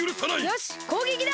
よしこうげきだ！